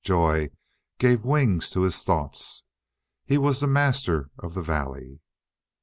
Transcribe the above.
Joy gave wings to his thoughts. He was the master of the valley.